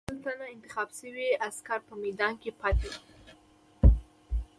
سل تنه انتخاب شوي عسکر په میدان کې پاتې وو.